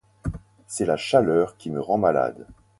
C'est la chaleur qui me rend malade.